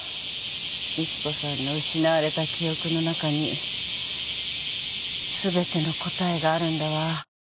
美知子さんの失われた記憶の中に全ての答えがあるんだわ。